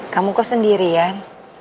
kamu kok sendirian